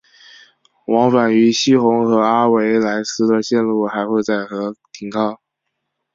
往返于希洪和阿维莱斯的线路还会在和停靠。